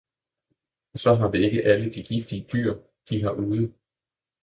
og så har vi ikke alle de giftige dyr, de har ude!